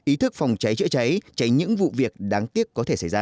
ý thức phòng cháy chữa cháy tránh những vụ việc đáng tiếc có thể xảy ra